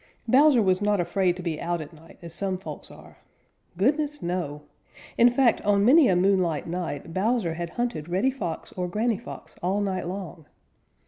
Bowser was not afraid to be out at night as some folks are. Goodness, no! In fact, on many a moonlight night Bowser had hunted Reddy Fox or Granny Fox all night long.